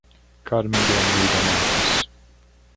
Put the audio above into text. Carmem de Almeida Matos